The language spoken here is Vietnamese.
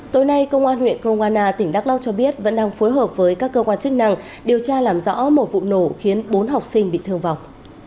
tối nay công an huyện kroana tỉnh đắk lắc cho biết vẫn đang phối hợp với các cơ quan chức năng điều tra làm rõ một vụ nổ khiến bốn học sinh bị thương vọng